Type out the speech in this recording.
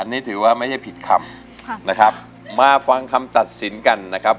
นี่ถือว่าไม่ใช่ผิดคำค่ะนะครับมาฟังคำตัดสินกันนะครับ